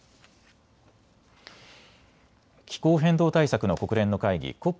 気候変動対策の国連の会議